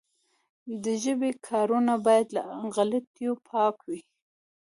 د ژبي کارونه باید له غلطیو پاکه وي.